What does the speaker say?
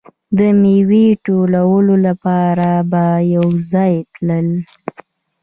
د میوې ټولولو لپاره به یو ځای تلل.